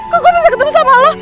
kok gue bisa ketemu sama lo